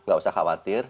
gak usah khawatir